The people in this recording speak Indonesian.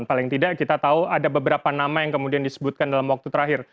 paling tidak kita tahu ada beberapa nama yang kemudian disebutkan dalam waktu terakhir